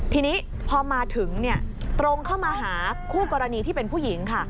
ทีนี้พอมาถึงตรงเข้ามาหาคู่กรณีที่เป็นผู้หญิงค่ะ